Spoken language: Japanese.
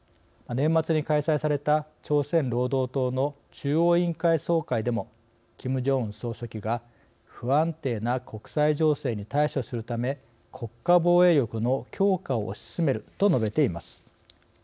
年末に開催された朝鮮労働党の中央委員会総会でもキム・ジョンウン総書記が「不安定な国際情勢に対処するため国家防衛力の強化を推し進める」と述べています。